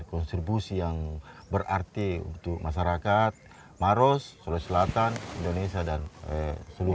konstribusi yang berarti untuk masyarakat maros sulawesi selatan indonesia dan seluruh